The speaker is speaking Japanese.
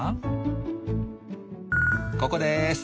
ここです！